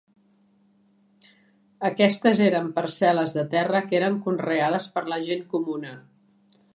Aquestes eren parcel·les de terra que eren conreades per la gent comuna.